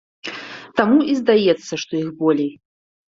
Таму і здаецца, што іх болей.